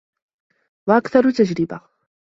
وَأَكْثَرُ تَجْرِبَةً